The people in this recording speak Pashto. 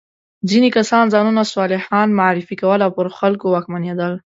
ځینې کسان ځانونه صالحان معرفي کول او پر خلکو واکمنېدل.